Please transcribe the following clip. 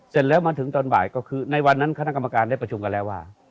เสร็จแล้วมาถึงตอนบ่ายก็คือในวันนั้นคณะกรรมการได้ประชุมกันแล้วว่า